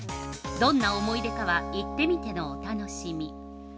どんな思い出かは行ってみてのお楽しみ。